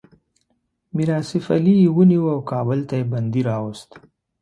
میر آصف علي یې ونیو او کابل ته یې بندي راووست.